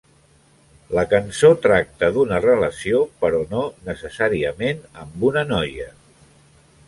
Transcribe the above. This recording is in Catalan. La cançó tracta d'una relació, però no necessàriament amb una noia.